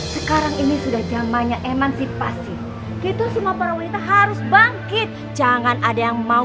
sekarang ini sudah zamannya emansipasi kita semua para wanita harus bangkit jangan ada yang mau